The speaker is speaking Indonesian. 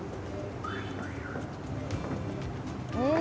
ini pasti pas banget buat sarapan ya